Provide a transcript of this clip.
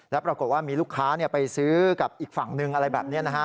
แล้วปรากฏว่ามีลูกค้าไปซื้อกับอีกฝั่งหนึ่งอะไรแบบนี้นะฮะ